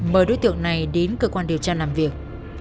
mời đối tượng này đến cơ quan điều tra làm việc